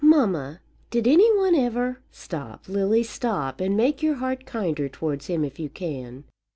"Mamma, did any one ever " "Stop, Lily, stop; and make your heart kinder towards him if you can."